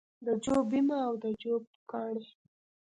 د جو بیمه او د جو پوکاڼې